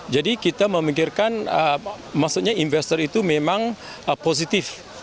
jadi kita memikirkan maksudnya investor itu memang positif